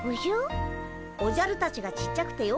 おじゃるたちがちっちゃくてよかったよ。